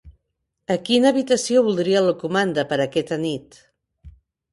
A quina habitació voldria la comanda per aquesta nit?